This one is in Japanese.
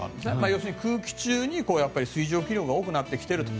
要するに空気中に水蒸気量が多くなってきていると。